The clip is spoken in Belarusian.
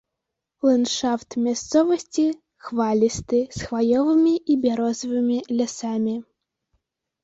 Ландшафт мясцовасці хвалісты з хваёвымі і бярозавымі лясамі.